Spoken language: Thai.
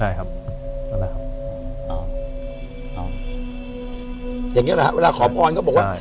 อย่างนี้แหละครับเวลาขอพรก็บอกว่า